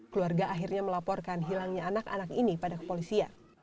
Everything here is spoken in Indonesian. keluarga akhirnya melaporkan hilangnya anak anak ini pada kepolisian